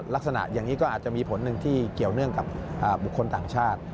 ลักษณะอย่างนี้ก็อาจจะมีผลหนึ่งที่เกี่ยวเนื่องกับบุคคลต่างชาติ